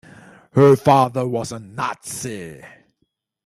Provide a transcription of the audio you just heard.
Her father was a Nazi.